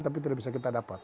tapi tidak bisa kita dapat